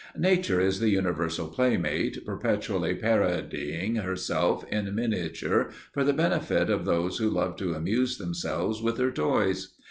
Nature is the universal playmate, perpetually parodying herself in miniature for the benefit of those who love to amuse themselves with her toys.